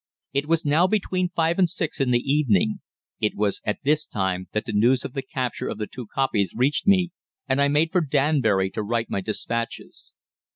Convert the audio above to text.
It was now between five and six in the evening. It was at this time that the news of the capture of the two kopjes reached me, and I made for Danbury to write my despatches.